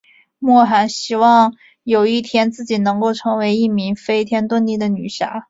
莫涵希望有一天自己能够成为一名飞天遁地的女侠。